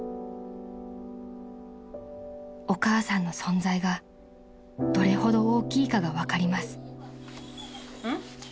［お母さんの存在がどれほど大きいかが分かります］